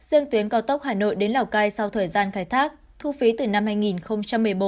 riêng tuyến cao tốc hà nội đến lào cai sau thời gian khai thác thu phí từ năm hai nghìn một mươi bốn